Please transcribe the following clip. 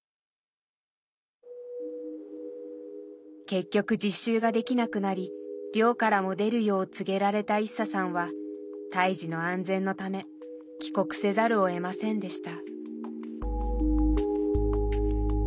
結局実習ができなくなり寮からも出るよう告げられたイッサさんは胎児の安全のため帰国せざるをえませんでした。